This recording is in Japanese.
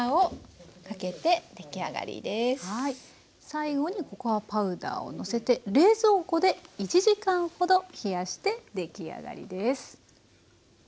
最後にココアパウダーをのせて冷蔵庫で１時間ほど冷やして出来上がりです。